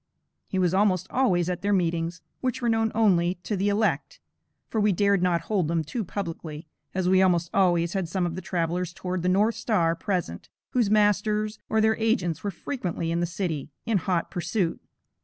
He was almost always at their meetings, which were known only to "the elect," for we dared not hold them too publicly, as we almost always had some of the travelers toward the "north star" present, whose masters or their agents were frequently in the city, in hot pursuit.